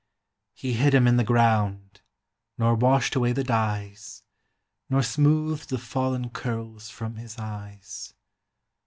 He hid him in the ground, Nor washed away the dyes, Nor smoothed the fallen curls From his eyes.